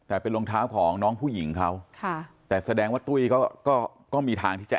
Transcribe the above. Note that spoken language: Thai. แต่เป็นรองเท้าของน้องผู้หญิงเขาค่ะแต่แสดงว่าตุ้ยก็ก็ก็มีทางที่จะ